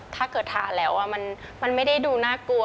ถ้าเกิดทานแล้วมันไม่ได้ดูน่ากลัว